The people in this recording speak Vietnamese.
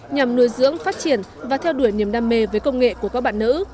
nhằm nuôi dưỡng phát triển và theo đuổi niềm đam mê với công nghệ của các bạn nữ